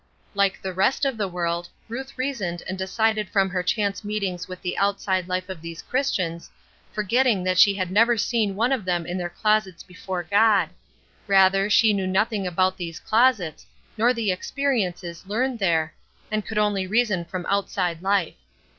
Like the rest of the world, Ruth reasoned and decided from her chance meetings with the outside life of these Christians, forgetting that she had never seen one of them in their closets before God; rather, she knew nothing about these closets, nor the experiences learned there, and could only reason from outside life.